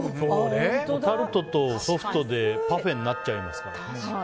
タルトとソフトでパフェになっちゃいますから。